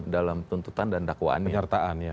dalam tuntutan dan dakwaannya